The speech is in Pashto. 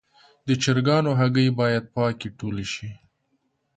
د چرګانو هګۍ باید پاکې ټولې شي.